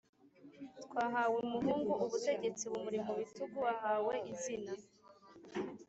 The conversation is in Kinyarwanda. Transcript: twahawe umuhungu, ubutegetsi bumuri mu bitugu ahawe izina: